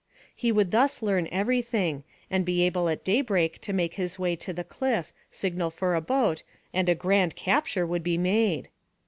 He would thus learn everything, and be able at daybreak to make his way to the cliff, signal for a boat, and a grand capture would be made.